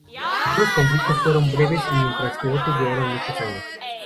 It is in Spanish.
Algunos conflictos fueron breves, mientras que otros duraron muchos años.